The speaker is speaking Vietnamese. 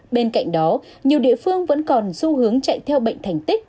bên cạnh đó nhiều địa phương vẫn còn xu hướng chạy theo bệnh thành tích